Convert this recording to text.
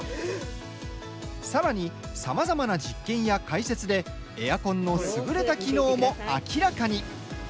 さらに、さまざまな実験や解説でエアコンの優れた機能も明らかに。